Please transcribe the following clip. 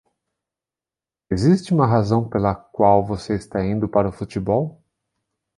Existe uma razão pela qual você está indo para o futebol?